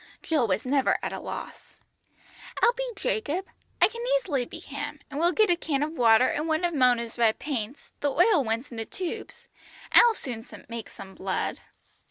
Jill was never at a loss. "I'll be Jacob. I can easily be him, and we'll get a can of water, and one of Mona's red paints the oil ones in the tubes I'll soon make some blood."